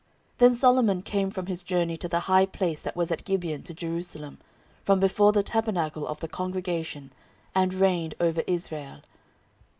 14:001:013 Then Solomon came from his journey to the high place that was at Gibeon to Jerusalem, from before the tabernacle of the congregation, and reigned over Israel.